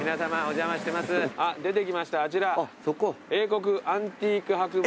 あっ出てきましたあちら。